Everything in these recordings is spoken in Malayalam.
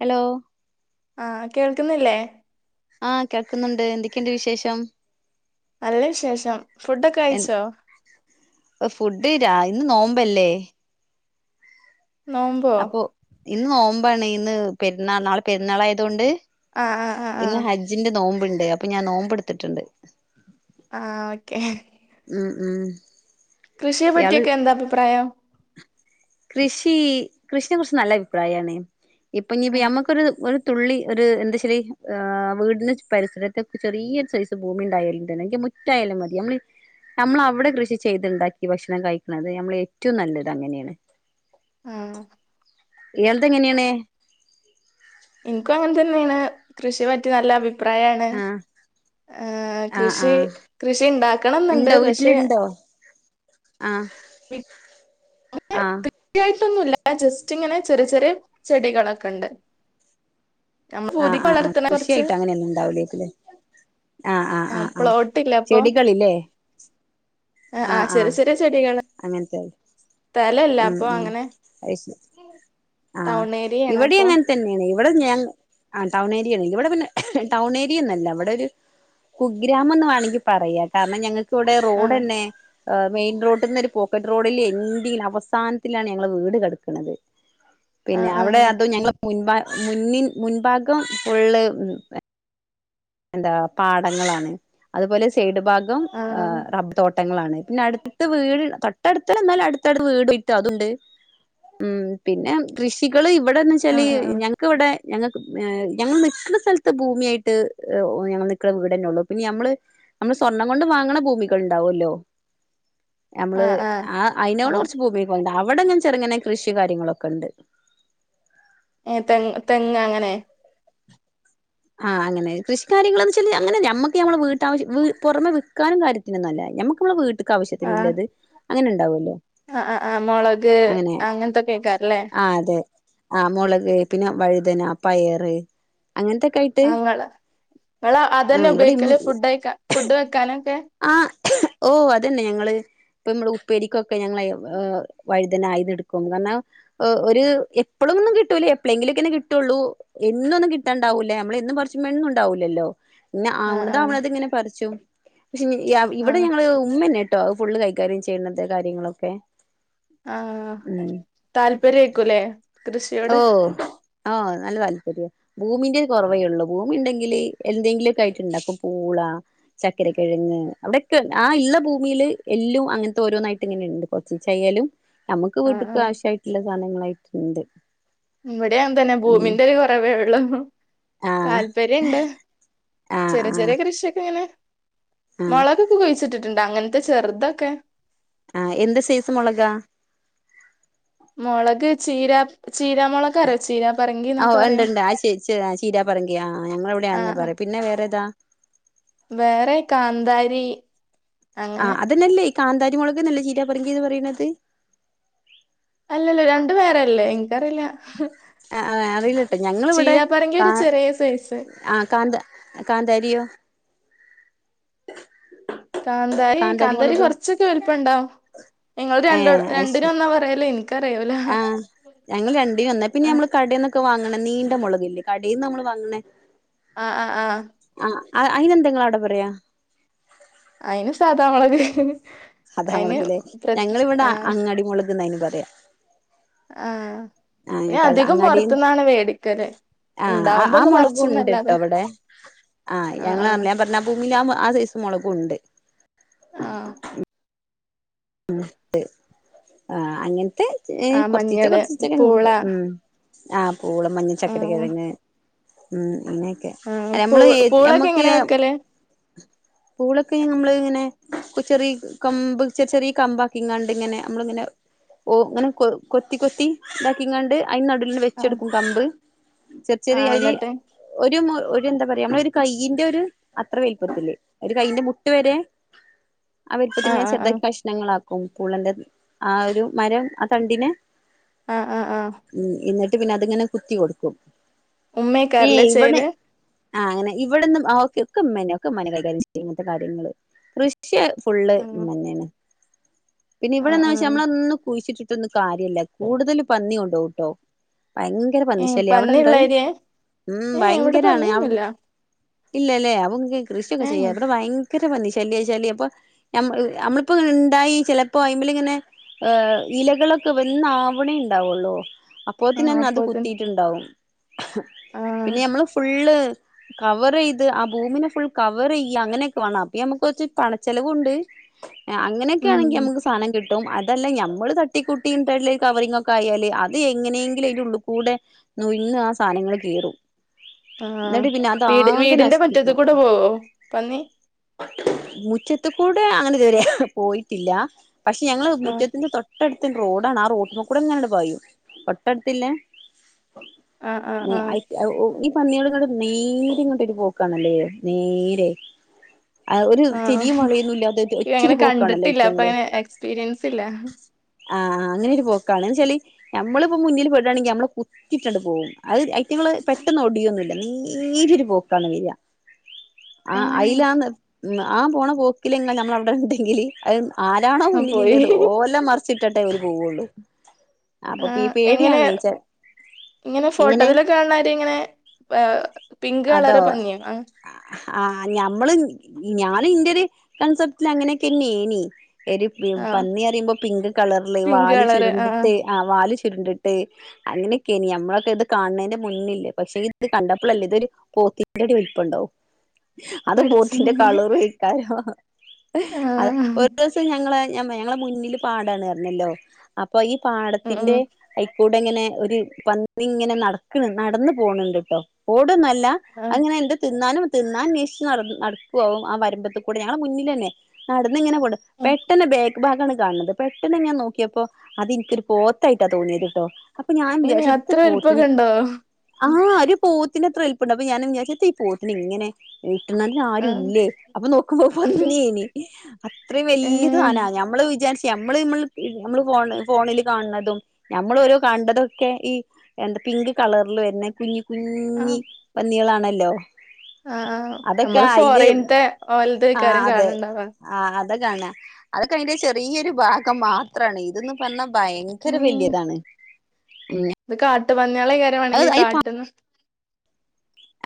ഹലോ ആ കേൾക്ക്ന്നില്ലേ ആ കേൾക്ക്ന്നുണ്ട് എന്തൊക്കെയുണ്ട് വിശേഷം നല്ല വിശേഷം ഫുഡൊക്കെ കഴ്ച്ചോ ല്ലാ ഇന്ന് നോമ്പല്ലെ നോമ്പോ അപ്പൊ ഇന്ന് നോമ് മ്പാണ് ഇന്ന് പെര്ന്നാ നാളെ പെര്ന്നാൾ ആയതേണ്ട് ആഹ് ആഹ് ആഹ് ഇന്ന് ആഹ് ഹജ്ജിന്റെ നോമ്പ് ഇണ്ട അ അപ്പ ഞാൻ നോമ്പ് ഇട്ത്ത്ട്ട് ഇണ്ട് ആ ഓക്കെ ഉം ഉം കൃഷിയെ ഇയാള് പറ്റിയൊക്കെ എന്താ അഭിപ്രായം കൃഷി കൃഷിനെ കുർച്ച് നല്ല അഭിപ്രായാണ് ഇപ്പ ഇഞ്ഞ് ഇപ്പ ആഹ് ഞമ്മക്കൊര് ഒര് തുള്ളി ഒര് എന്താച്ചാൽ ഏ വീട്ന് പരിസരത്തെക്കെ ചെറിയൊര് സൈസ് ഭൂമി ഇണ്ടായാൽ ഇണ്ടല്ലോ അല്ലെങ്കി മുറ്റായാലും മതി നമ്മൾ നമ്മൾ അവ്ടെ കൃഷി ചെയ്ത്ണ്ടാക്കി ഭക്ഷണം കഴിക്ക്ണത് നമ്മൾ റ്റവും നല്ലത് അങ്ങനെയാണ് ആ എന്ത് ഇങ്ങനെയാണ് ഇൻക്കും അങ്ങൻ തന്നെയാണ് കൃഷിനെ പറ്റി നല്ല അഭി പ്രായാണ് ആഹ് ഏ ആഹ് കൃഷി ആഹ് കൃഷി ഇണ്ടാക്കണം ഇന്ന്ണ്ട് പക്ഷെ ആ ഇവടെ കൃഷി ആയിട്ട് ഒന്നും ഇല്ല ആ ജസ്റ്റ് ഇങ്ങനെ ചെറെ ചെറെ ചെടികളൊക്കെ ഇണ്ട് ആ ആ ആ കൃഷിയെട്ട് അങ്ങനെ ഒന്നും ഇണ്ടാവുലെയ്ക്കും ലെ ആ ആ ആ ആ പ്ലോട്ടില്ല ചെടികൾ ലെ ആ ആ ചെറെ ചെറെ ചെടികൾ അങ്ങനത്തെ തലയില്ല ഉം അപ്പൊ അങ്ങനെ ആ ടൗൺ ഏരിയയാണ് ഇവടീം അപ്പൊ അങ്ങൻ തന്നെയാണ് ഇവടെ ഞ ആ ടൗൺ ഏരിയ ആൺ ഇവടെ പിന്നെ ടൗൺ ഏരിയൊന്നും അല്ല ഇവടെ ഒരു കുഗ്രാമംന്ന് വേണങ്കി പറയാ കാരണം ഞങ്ങ ക്ക് ഇവടെ ആഹ് റോഡ്ന്നെ ഏ മെയിൻ റോട്ട്ന്ന് ഒര് പോക്കറ്റ് റോഡിൽ എന്റിൽ അവസാനത്തിലാണ് ഞങ്ങളെ വീട് കെടക്ക്ണത് പിന്നെ ആഹ് അവ്ടെ ആഹ് അതും ഞങ്ങൾ മുൻഭാ മുന്നിൻ മുൻഭാഗം ഫുള്ള് മ് എന്താ പാടങ്ങളാണ് അതുപോലെ സൈഡും ഭാഗം ആഹ് റബ് തോ ട്ടങ്ങളാണ് പിന്നെ അടുത്ത് വീട് തൊട്ടടുത്ത എന്നാലും അടുത്തടുത്ത് വീട് ഇട്ടും അതുണ്ട് ഉ പിന്നെ കൃഷികൾ ഇവിടെന്ന് വെച്ചാൽ ആഹ് ആഹ് ഞങ്ങക്കക്ക്ിവിടെ ഞങ്ങൾക്ക് ഞങ്ങൾ നിട്ടുന്ന സ്ഥലത്ത് ഭൂമിയായിട്ട് ഞങ്ങൾ നിിക്കുന്ന വീട്ന്നെ ഉള്ളൂ പിന്നെ ഞമ്മള് നമ്മള് സ്വർണ്ണം കൊണ്ട് വാങ്ങണ ഭൂമികൾ ഉണ്ടാവല്ലോ നമ്മള് ആഹ് ആഹ് ആ അതിനോടെ ആഹ് കുറച്ച് ഭൂമിക്ക് പോയി അവിടെങ്ങെ ചെറുങ്ങനെ കൃഷി കാര്യങ്ങളൊക്കെ ഉണ്ട് ഏ തെ തെങ്ങ് അങ്ങനെ ആഹ് അനെ കൃഷി കാര്യങ്ങളന്ന് വെച്ചാല് അങ്ങനെ നഞമ്മക്ക് ഞമ്മൾ വീട്ടശ്യ പുറമെ വിൽക്കാനും കാര്യത്തിനന്നല്ല നമ്മക്ക് നമ്മള വീട്ട ആവശ്യത്തിനുള്ളത് അങ്ങനെണ്ടാവുമല്ലോ ആ ആ് ആ മുളക് അങ്ങനത്തൊക്കെ കേക്കാറല്ലേ ആ് മുളക് പിന്നെ വഴുതന പയറ് അങ്ങനത്തെെ അങ്ങ നി അത്ന്നെ ആഹ് ഇവിടെ ഉപയോഗിക്കല് ഫുഡ് ഫുഡ് വെക്കാനും ആഹ് ഓഹ അതന്നെ ഞങ്ങൾ ഇപ്പ നമ്മടെ ഉപ്പേരിക്കൊക്കെ ഞങ്ങ് വഴുതന ആയത എടുക്കും കാരണം് ഒരു എപ്പോഴും ഒന്നും കിട്ടൂല്ലേ എപ്പോഴെങ്കിലൊക്കെെ കിട്ടുള്ളൂ എന്നും ഒന്നും ഇട്ടുണ്ടാവേ നമ്മ മന്നണ്ടാവൂില്ലല്ലോ പിന്നെ ആഹ് അവണത ആഹ് അവണത് ഇങ്ങനെ പിച്ചു പക്ഷെ ഇവിടെ ആഹ് ഞങ്ങള്ൾ ഉമ്മന്നട്ട കേട്ടോ ഫുള്ള് കൈകാര്യം ചെയ്യത് കാര്യങ്ങളൊക്കെ ആഹ ഉം താല്പര്യേക്കൂല്ലേ കൃ ഓ ആഹ നല്ല താല്പര്യം ഭൂമിന്റെ കുറവേ ഉള്ളൂ ഭൂമി ഉണ്ടെങ്കില്ിൽ എന്തെങ്കിലുമൊക്കെ ആയിട്ട് ഇണ്ടാക്കും പൂള ചക്കര കിഴങ്ങ് അവിടെയൊക്കെ ആ ഉള്ള ഭൂമിയില് എല്ലാം അങ്ങനത്തെ ഓരോന്നായിട്ട് ഇങ്ങനെുണ്ട് കൊച്ചച്ചായാലും നമ്മക്ക് ആഹ് വീട്ടക്ക് ആവശ്യായിട്ടുള്ള സാധനങ്ങളായിട്ട് എന്ത് ഇവിടെയാ തന്നെ ഭൂമിന്റെ ഒരു കുറവേ ഉള്ളു ആഹ് താല്പര്യുണ്ട് ആഹ് ചെറിയ ആഹ് ചെറിയ കൃഷിയൊക്കെ ഇങ്ങനെ ആഹ് മളകൊക്കെ കഴിച്ചിട്ടുണ്ട് ണ്ട അങ്ങനത്തെ ചെറുതൊക്കെ ആഹ എന്ത സീസ മുളക മുളക് ചീര ചീരാ മൊളകറിയോ ചീരാ ഓ പറങ്കിന്നൊക്കെ ഉണ്ട് പറയും ഉണ്ട് ആ ച ചീരാ പറങ്കിയ ആ ഞങ്ങ എവിടെന്നെ ആഹ് പറ പിന്നെ വേറെേതാ വേറെ കാന്താരി അങ്ങനെ ആഹ് അതന്നെല്ലേ കാന്താരിമോളൊക്കെ നല്ല ചീര പറങ്കിത് പറയണത് അല്ലല്ലോ രണ്ട് ആ അറിയിലട്ടെ ഞങ്ങിവിടെ ചീരാപ്പറങ്കി കാ ഒരു ചെറിയ സൈസ് ആ കാന്ത കാന്താരിയോ കാന്താരി കാന്താരി കുറച്ചൊക്കെ വലിപ്പം ഉണ്ടാവും നിങ്ങൾ രണ്ട ഏഹ് അത് രണ്ടിിന ശരി ഒന്നാ പറയല് എനി ആഹ് ഞങ്ങൾ രണ്ടിനോന്ന പിന്നെ ആ ഞമ്മള് കടന്നൊക്കെ വാങ്ങ ണ നീണ്ട മുളകില്ലേ കടയിന്ന് നമ്മള് വങ്ങണേ ആഹ ആഹ ആഹ അയിനെന്താ നിങ്ങൾ അവിടെ പറയാ അയിന് സാധാമൊളക് അതാ മുളകിലേ ഞങ്ങളിവിടെ ആ അങ്ങാടി മുളക്ന്നതിന് പറയാ ആ ആ പിന്നെ അധികം അങ്ങാട പൊറത്തുന്നാണ് വേടിക്കല് ആഹ ഇണ്ടാവുമ്പോ ആ ഒന്ന് മുളകും ഉണ്ട് കേട്ടോ പറിച്ചുന്നല്ലാതെ അവിടെ ആഹ് ആ ഞങ്ങ ആ അറഞാൻ പറഞ്ഞ ഭൂമിൽ ആ ദൈസം മുളകുംണ്ട് ആഹ ആ അങ്ങനെ മ ആ കൊറത്തിീച്ച മഞ്ഞള് കൊറച്ചീച്ചൊക്കെണ്ട് പൂള ഉ ആ് കൂള മഞ്ഞഞ് ആ ചക്കര കിഴഞ്ഞ് ഉം യൊക്കെ ആ പൂ നമ്മള് പൂളൊക്കെ ഞമ്മക്ക് എങ്ങനെ വെക്കല് പൂളൊക്കെ നമ്മള് ഇങ്ങനെ കൊച്ചെറ കമ്പ് ചെ ചെറിയ കമ്പക്കി ഇങ്ങാണ്ട് ഇങ്ങനെ നമ്മളിങ്ങനെ ഓ ഇങ്ങനെ കൊ കൊത്തി കൊത്തി ഇതാക്കി ഇങ്ങാണ്ട് അതിന്ടുന്ന് ആ വെച്ചെടുക്കും കമ്പ് ചെറ ആ ചെറിയരി എന്നിട്ട് ഒരു ഒരു എന്താ പറയാ നമ്മള ഒരു കൈയിന്റെ ഒരു അത്ര വലിപ്പത്തില്ലേ ഒരു കയ്യിന്റെ മുട്ട് വരെ അവരിപ്പത്തി ആ ഞാൻ ആ ആ ശദ്ദാക്കി പ്രശ്ണങ്ങളാക്കും പുള്ളന്റെ ആ ഒരു മരം ആ തണ്ടിനെ ആഹ് ആഹ് ആഹ് ഉം എന്നട്ട പിന്നെ അതിങ്ങനെ കുത്തി കൊടുക്കും ഉമ്മയക്കാറല്ലേ ചേല് ആഹ് അങ്ങനെ ഇവിടന്നുംക്കെ ഒക്കെമ്മനെയൊക്കെ മന കൈകാര്ി ഇങ്ങനത്തെ കാര്യങ്ങള് കൃഷി ഫുള്ള് ആഹ് മന്നെയാണ് പിന്നെ ആഹ് ഇവിടെന്നന്ന് വെച്ചാ ആഹ് നമ്മള ഒന്ന് കുഴിച്ചിട്ട് ന്നും കാര്യല്ല കൂടുതല് പന്നി കൊണ്ടോവും ട്ടോ ഭയങ്കര ഏഹ് പന്നിശല്യ അവിടെണ്ട്ത് പന്നിയുള്ള ഏരിയേ ഉം ഏഹ് ഇവിടെ ഭയങ്കരാണ് അവ് പന്നിയൊന്നുല്ല ഇല്ലല്ലേ അപ്പങ്ങക്ക് കൃഷിയൊക്കെ ചെയ്യാ ഏഹ് ഇവ്ടെ ഭയ് ങ്കര പന്നി ശല്യാ ഈ ശല്യാ ഇപ്പൊ ഞമ്മ ഞമ്മള് പ്പങ്ങനെണ്ടായി ചെലപ്പോ അയ്മില്ങ്ങനെ ഇലകളൊക്കെ വന്ന് ആവ്ണേ ണ്ടാവാെള്ളൂ. ആഹ് അപ്പോത്തിനെന്നെ അത് അപ്പോത്തിന് കുത്തീട്ട്ണ്ടാവും ആഹ് പിന്നെ ഞമ്മള് ഫുള്ള് കവറെയ്ത് ആ ഭൂമിനെ ഫുൾ കവറെയ്യാ അങ്ങനെയൊക്കെ വേണം അപ്പ ഞമ്മക്കാെറച്ച് പണച്ചെലവുണ്ട്. ആഹ് ഉം അങ്ങനൊക്കെയാണെങ്കി ഞമ്മക്ക് സാനം കി ട്ടും അതല്ല ഞമ്മള് തട്ടിക്കുട്ടി [unintelligible] കവറിങ് ഒക്കെ ആയാല് അത് എങ്ങനെയെങ്കിലും അയിന്റെ ഉള്ള് കൂടെ നുയിന്ന് ആ സാനങ്ങൾ കേറും. ആ എന്നിട്ട് പിന്നെ വീട് അതാകെ വീടിന്റെ നശിപ്പിക്കും മുറ്റത്തുകൂടെ പോവോ പന്നി? മുറ്റത്ത് കൂടെ അങ്ങനെ [unintelligible] പോയിട്ടില്ല പക്ഷേ ഞങ്ങള് ആഹ് മുറ്റത്തിന്റെ തൊട്ടടുത്തന്നെ റോഡാണ് ആ റോട്ടുമ്മക്കൂടെങ്ങെനാട് പായും തൊട്ടടുത്തില്ലെ ആഹ് ആഹ് ആഹ് [unintelligible] പന്നികളങ്ങട് നേരെങ്ങെട്ടൊരു പോക്കണല്ലേ നേരെ അ ഒരു തിരിയും മറയൊന്നുല്ലാത്തൊര് ഒറ്റൊരു പോ [unintelligible] അപ്പൊങ്ങനെ എക്സ്പീരിയൻസ് ഇല്ല. ആ അങ്ങനെ ഒര്പോക്കാണ് ന്തച്ചാല് നമ്മളിപ്പോ മുന്നില് പെടാണെങ്കി നമ്മളെ കുത്തിട്ടാണ്ട് പോകും അത് അയ്റ്റങ്ങള് പെട്ടെന്ന് ഒടിയൊന്നുല്ല നേരൊരു പോക്കാണ് വെര ആ ആഹ് അയിലാന്ന് ആ പോണ പോക്കില്ലെങ്ങ നമ്മളവ്ടെണ്ടെങ്കില് അത് ആരാണോ ആഹ് പോയി മുന്നിലില്ലത് ഓലെ മറ ച്ച്ട്ട് ട്ടേ ഓല് പോവുള്ളൂ അപ്പൊപ്പീ ആഹ് എങ്ങനെ പേടിയാണേച്ചാ ഇങ്ങനെ എങ്ങനെ ഫോട്ടോത്തിലൊക്കെ കാണാര് ഇങ്ങനെ ഏഹ് പിങ്ക് അതോ കളറ് പന്നിയോ ആഹ് ആ ഞമ്മൾ ഞാ ഇന്റൊരു കൺസെപ്റ്റ് ല് അങ്ങനെയൊക്കെന്നേനി [unintelligible] ടീ ആഹ് പന്നി അറിമ്പോ പിങ്ക് കളർല് പിങ്ക് വാല് കളറ് ആഹ് ചുരുണ്ടിട്ട് ആ വാല് ച്ച ചുരുണ്ട്ട്ട് അങ്ങനെയൊക്കേനി ഞമ്മളൊക്കെ ഇത് കാണ്ണേന്റെ മുന്നില്ലേ പക്ഷെ ഇത് കണ്ടപ്പോഴല്ലേ ഇതൊരു പോത്തിന്റൊരു വലിപ്പണ്ടാവും അത് പോത്തിന്റെ പഠച്ചോനെ കളൂറയ്ക്കാരം അ ആഹ് ഞങ്ങളെ ഞങ്ങള മുന്നിൽ പാടാണ്ർഞ്ഞല്ലോ അപ് പ്പൊ ഈ ഉം പാടത്തിന്റെ അയ് കൂടെ ഇങ്ങനെ ഒരു പന്നിങ്ങനെ നടക്ക്‌ണ് നടന്ന്പോണ് ണ്ട്ട്ടോ ഓടാെന്ന ആഹ് അങ്ങനെ എന്റെ തിന്നാനും തിന്ന അന്വേഷിച്ച് നട നടക്കുവും ആ വരുമ്പത്ത കൂടെ ഞങ്ങളുടെ മുന്നിൽ തന്നെ നട ങ്ങെനെ [unintelligible] പെട്ട ഭാഗാണ് കാണുന്നത് പെട്ടെന്ന് ഞാൻ നോക്കിയപ്പോ അത്‌ ഇനിക്കൊരു പോത്തായിട്ടാ തോന്നിയത് കേട്ടോ അപ്പൊ ഞാൻ ഏ വിചാരിച്ചു [unintelligible] ട്ട അത്ര പോത്തിന് വലിപ്പൊക്കെ ഉണ്ടോ ആ ഒര് പോ ത്തിന് എത്ര ല്പ്പണ്ടൊ പ്പ ഞാൻ വിചാർച്ച് ഈ പോട്ടന് ഇങ്ങനെ നല്ല ആഹ് ആരുല്ലേ അപ്പൊ നോക്കുമ്പോ പന്നേനി അ ത്രിം ഏ വല്ല്യ സനാ ഞമ്മള് വിചാരിച്ചു നമ്മള്മ്മൾ നമ്മള് ഫോൺ ഫോണിൽ കാണ് ണതും ന മ്മൾ ഓരോ കണ്ടതൊക്കെ ഈ എന്താ പിങ്ക് കള്റിൽ വര്നെ കുഞ്ഞ കുഞ്ഞി പന്ന്യേളാണ് ഹല്ലോ ആഹ്ഹ നമ്മള് ഫോറീൻത്തെ ഓല് ആഹ് തെക്കാരം അതെ കാണ് ണ്ടാവാ ആഹ് അത കാണ അതൊക്കെ അയ്ന്റെ ചെറീയൊരു ഭാഗം മാത്രാണ് ഇതെന്ന് പറഞ്ഞ ഭയങ്കര വല്യതാണ് ഉം ത്ക്കാട് ട്ട് വൺ ങ്ങളെക്കാരം മാണെങ്കി കാട്ടിന്ന്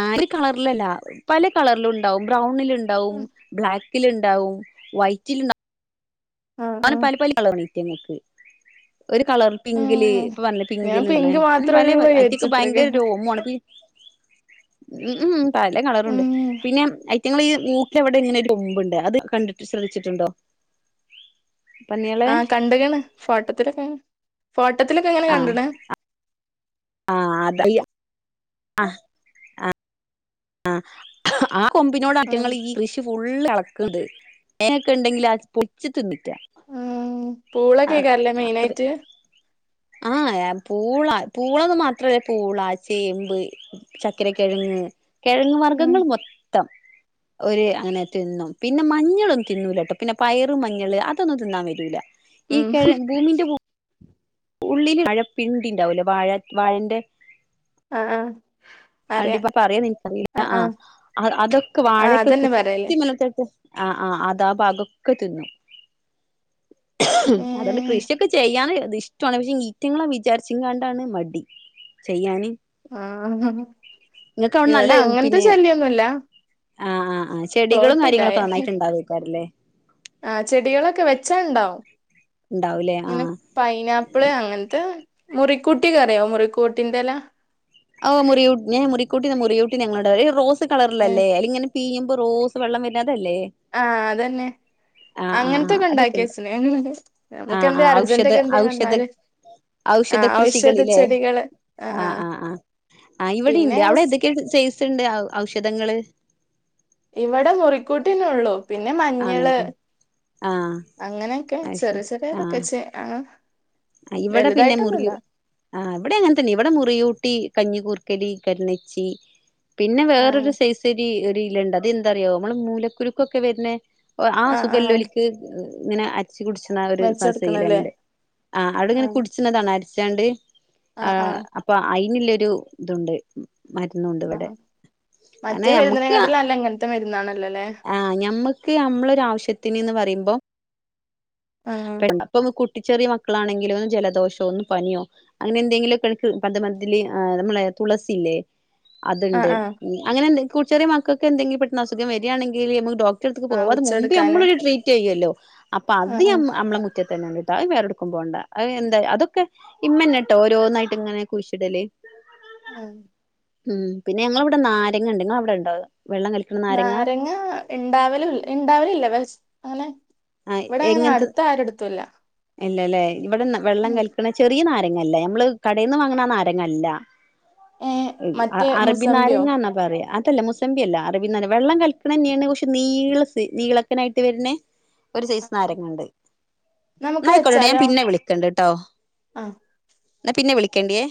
ആ രു കളറ്ലല്ല പല കളറ്ലും ഉണ്ടാവും ബ്രൗണില് ഉണ്ടാവും ബ്ലാക്ക് ക്കില് ഇണ്ടാവും വയ്റ്റില് ഇ ആഹ് ആന ആഹ് പ്പലിപ്പലി കളറിൽ ഇ ന്ക്ക് ഒരു കളർ പിങ്ക്ല് ഉം ഇപ്പ പറഞ്ഞ ഞാൻ പിങ്കില് നിണെ പിങ്ക് അ പല മാത്രേള്ളൂ ഐറ്റെക്ക് വിചാരിച്ചത്രക്കെ ഭയങ്കര രോമോണ് ഉം ഉം പല കളറുണ്ട് ഉം പിന്നെ നിങ്ങൾ ഈ മൂക്ക് എവിടെ ഇങ്ങനെ ഒരു തുമ്പ്ണ്ട് അത് കണ്ടിട്ട് ശ്രദ്ധിച്ട്ടുണ്ടോ ആഹ് കണ്ടക്ക്ണ് ഫോട്ടത്തിലൊക്കെ ഫോട്ടത്തിലൊക്കെങ്ങനെ ആഹ് കണ്ട്ണ് ആഹ് ആഹ് കൊമ്പിനോട് ഉം അറ്റങ്ങൾ ഈ കൃഷി ഫുള്ള്അള ക്ക്ണ്ട് എക്ക്ണ്ടെങ്കിൽ ആ പൊച്ച് തിന്നിറ്റ ആഹ് പൂളക്കേക്കാരലെ അത്ര മെയിനായിട്ട് പൂളാ പൂളന്ന് മാത്രല്ല പൂളാ ചേമ്പ് ചക്കര കെഴങ്ങ് കെഴങ്ങ് ഉം വർഗ്ഗങ്ങൾ മൊത്തം ഒരു അങ്ങനെ തിന്നും പിന്നെ മഞ്ഞളൊന്നും തിന്നൂലട്ടോ പിന്നെ പയറും മഞ്ഞള് അതൊന്നും തിന്നാൻ വരൂല. ഈ ഉം ക ഭൂമിന്റെ ഉള്ളി വാഴപ്പിണ്ടിണ്ടാവല്ലേ വാഴ വാഴന്റെ ആ ആ [unintelligible] പറയാ നിനിക്കറിയില്ല ആ ആഹ് അതൊക്കെ ആഹ് വാഴൊക്കെ അതന്നെ കുത്തി പറയല് [unintelligible] ആ ആ അതാ ഭാഗൊക്കെ തിന്നു. അതോണ്ട് ഉം കൃഷിയൊക്കെ ചെയ്യാന് തിഷ്ടാണ് പക്ഷെ ഈറ്റങ്ങളെ വിചാരിച്ച്ങ്ങാണ്ടാണ് മടി ചെയ്യാന് ആഹ ആ നിങ്ങൾക്ക് അവിടെ ഇവിടെ നല്ല അങ്ങൻത്തെ ശല്യയൊന്നുല്ല ആ ചെടികളും കാര്യങ്ങളൊക്കെ നന്നായിട്ടുണ്ടാവക്കാരല്ലേ ആ ചെടികളൊക്കെ വെച്ചാണ്ടാവും ഉണ്ടാവൂലേ ങ്ങനെ ആഹ് പൈനാപ്പിള് അങ്ങൻത്തെ മുറിക്കൂട്ടി കറിയോ മുറിക്കൂട്ടിന്റെല ഓ മുറിയൂ ഏ മുറിക്കൂട്ടി മുറിയൂട്ടി ന്ന ഞങ്ങളോടെ പറ ഇ റോസ് ത് കളറില്ലല്ലെ അയിലിങ്ങനെ പീയും പ്പ റോസ് വെള്ളം വരാ ആഹ അതന്നെ ആഹ് ആഹ് ആഹ് അങ്ങൻത്തൊക്കെ അതൊക്കെണ്ട് ഇണ്ടാക്കിയച്ണ് ഞങ്ങള് ആഹ് നമുക്ക്ന്തേ ആഹ് ഔഷധ അർജന്റന്റൊക്കെ എന്തേ ഔഷധ വന്നാല് ആ ഔഷധ ഔഷധ കൃഷികളില്ലേ ചെടികള് ആ ആഹ ആ ഇവിടിണ്ട് അവിടെ എതൊക്കെ ച്ചെ ണ്ട് ഔഷധങ്ങള് ഇവിടെ മുറിക്കൂട്ട്യന്നെ ഒള്ളൂ പിന്നെ മഞ്ഞള് ആണല്ലേ ആഹ് അങ്ങനെയൊക്കെ ചെറിയ ചെറിയതൊക്കെ ച്ചെ ആ ആ ഇവിടെ പിന്നെ മുറി ആ ഇവിടെ അങ്ങനെത്തന്നെ ഇവിടെ മുറിയൂട്ടി കഞ്ഞിക്കൂർക്കലി, കണച്ചി പിന്നെ ആഹ് വേറൊരു സൈസരി ഒരു ല്ലണ്ട് അത് എന്തറിയോ നമ്മള് മൂലക്കുരുക്കൊക്കെ വരുന് ആ ആഹ് ആഹ് സുഖല്ലൊലിക്ക് ഇങ്ങനെ അ രച്ചു കുടിച്ചുന്ന ഒരു വെച്ചൊടുക്കണല്ലേ സശലുണ്ട് ആ അവിടാങ്ങനെ ആഹ് കുടിച്ചതാണ്. മരിച്ചാണ്ട് ആ ആഹ് ആഹ് അപ്പൊ ഐ യിനുള്ളൊരു ഇതുണ്ട്. മരുന്നുണ്ട് ഇവിടെ. ആഹ് മറ്റേ അനെ ഞമ്മക്ക് മരുന്നിനെക്കാട്ടിലും നല്ല ഇങ്ങനത്തെ മരുന്നാണല്ലോല്ലേ ആഹ ഞമ്മക്ക് നമ്മളരു ആവശ്യത്തിന്ന്ന് പറയു എന്ത ആഹ് പെ അപ്പൊട്ട ഒട്ടി ചെറിയ മക്കളാണെങ്കിലും ഒന്ന് ജലദോഷോ ഒന്ന് പനിയോ അങ്ങനെ എന്തെങ്കിലുമ ഒക്കെ എ പന്ത് മതിൽ നമ്മള തുളസില്ലേ അതുണ്ട് ആഹ് ആഹ് അങ്ങനെണ്ട് കൂച്ചെറ മക്കൾക്ക് എന്തെങ്കും പെട്ട അുഖം വരികണങ്കിൽമുക്ക് റ്റടുക്ക് ആഹ് പോക അത് മുമ്പേ വെച്ചെടുക്കാന് നമ്മൊരു ട്രീറ്റ് ചെയ്യുമല്ലോ ആഹ് ആഹ് അപ്പം അമ്മള റ്റ തന്നെട്ടാ അത് വേറെ എടുക്കും പോണ്ട എന്താ അതൊക്കെ ഇമ്മന്നെട്ടോ ഓരോന്നായിട്ട് ഇങ്ങനെ കുൂശിടല് ആഹ ഉം പിന്നെ ഞങ്ങ ഇവിടെ നാരങ്ങ ഉണ്ട് നിങ്ങ അവിടെ ഉണ്ടാവുക നാരങ്ങ ഉണ്ടാവല ഉണ്ടാവലല്ല അനെ ഇവിടെ അങ്ങനെ എങ്ങനത്തെ അടുത്ത ആരടുത്തല്ല ഇല്ലല്ലേ ഇവിടെ വെള്ളം കൽിക്കണ ചെറിയ നായ ല്ല നമ്മള് കടയിൽന്ന് വാങ്ങണാരങ്ങല്ല ഏഹ് മറ്റേ അറബിന മുസമ്പിയോ നാരങ്ങന്നാ പറയാ അതല്ല മുസബിയല്ല അറബിന നാര വെള്ളം കളിക്കണ തന്നെയാണ് കൊച്ചച്ച് നീളസ് നീളക്കനായിട്ട് വരുന്നെ ഒരു സൈസ് നാരങ്ങുണ്ട് നമുക്ക് ആയിക്കോട്ടട്ട ഞാൻ വെച്ചാലോ പിന്നെ വിളിക്കണ്ട കേട്ടോ ആ എന്നാ പിന്നെ വിളിക്കണ്ടിയേ